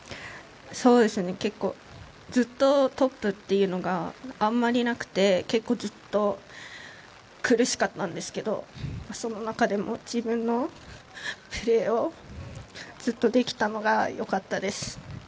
そうですね結構ずっとトップというのがあんまりなくて結構ずっと苦しかったんですけどその中でも自分のプレーをずっとできたのがよかったです。